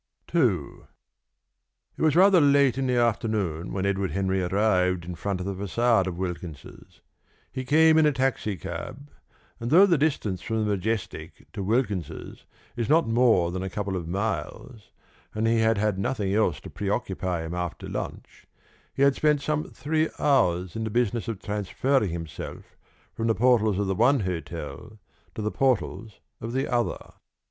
II. It was rather late in the afternoon when Edward Henry arrived in front of the façade of Wilkins's. He came in a taxicab, and though the distance from the Majestic to Wilkins's is not more than a couple of miles, and he had had nothing else to preoccupy him after lunch, he had spent some three hours in the business of transferring himself from the portals of the one hotel to the portals of the other.